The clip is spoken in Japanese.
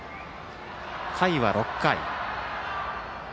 回は６回。